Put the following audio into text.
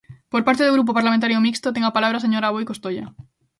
Por parte do Grupo Parlamentario Mixto ten a palabra a señora Aboi Costoia.